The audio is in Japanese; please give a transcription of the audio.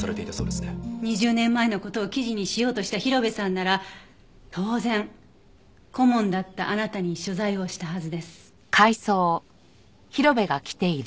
２０年前の事を記事にしようとした広辺さんなら当然顧問だったあなたに取材をしたはずです。